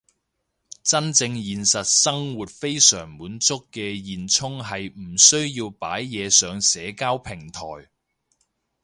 真正現實生活非常滿足嘅現充係唔需要擺嘢上社交平台